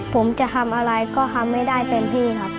ผมจะทำอะไรก็ทำไม่ได้เต็มที่ครับ